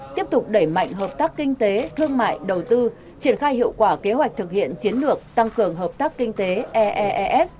tiếp tục đẩy mạnh hợp tác kinh tế thương mại đầu tư triển khai hiệu quả kế hoạch thực hiện chiến lược tăng cường hợp tác kinh tế ees